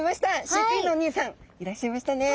飼育員のおにいさんいらっしゃいましたね。